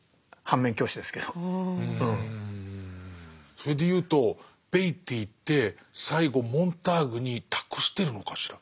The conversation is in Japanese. それでいうとベイティーって最後モンターグに託してるのかしら。